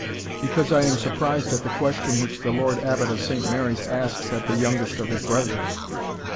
"Because I am surprised at the question which the Lord Abbot of Saint Mary's asks at the youngest of his brethren."